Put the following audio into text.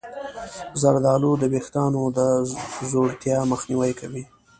زردآلو د ویښتانو د ځوړتیا مخنیوی کوي.